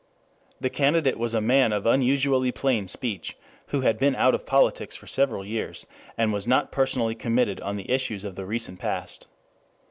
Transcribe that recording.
The candidate was a man of unusually plain speech, who had been out of politics for several years and was not personally committed on the issues of the recent past.